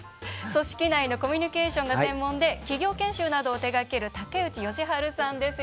組織内のコミュニケーションが専門で企業研修などを手がける竹内義晴さんです。